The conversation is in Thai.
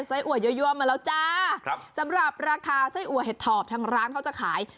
ไส้อัวยั่ยั่วมาแล้วจ้าครับสำหรับราคาไส้อัวเห็ดถอบทางร้านเขาจะขาย